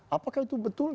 apakah itu betul